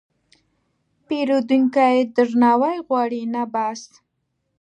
پیرودونکی درناوی غواړي، نه بحث.